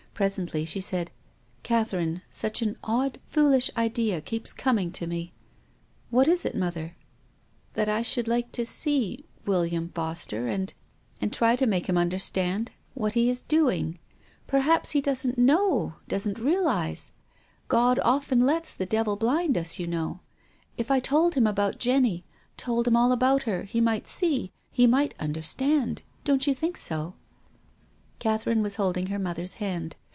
Presently she said, " Catherine, such an odd, foolish idea keeps coming to mc." " What is it, mother ?"" That T should like to see ' William Foster ' and — and try to make him understand what he is 1 62 TONGUES OF CONSCIENCE. doing. Perhaps lie doesn't know, doesn't realise. God often lets the devil blind us, you know. If I told him about Jenny, told him all about her, he might see — he might understand. Don't you think so ?" Catherine was holding her mother's hand.